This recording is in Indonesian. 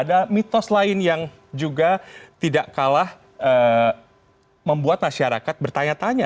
ada mitos lain yang juga tidak kalah membuat masyarakat bertanya tanya